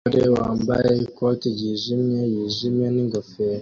Umugore wambaye ikote ryijimye yijimye ningofero